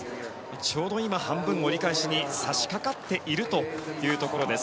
ちょうど今半分折り返しに差し掛かっているというところです。